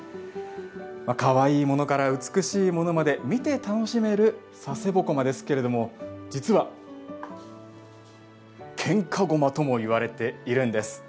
かわいいものから美しいものまで見て楽しめる佐世保独楽ですけれども実は、喧嘩独楽ともいわれているんです。